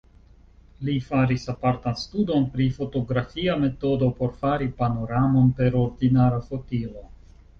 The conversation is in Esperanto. Li faris apartan studon pri fotografia metodo por fari panoramon per ordinara fotilo.